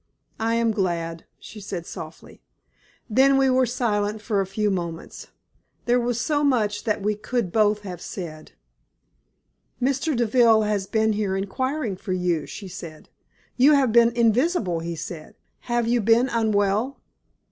"I am glad," she said, softly. Then we were silent for a few moments. There was so much that we could both have said. "Mr. Deville has been here inquiring for you," she said. "You have been invisible, he said. Have you been unwell?"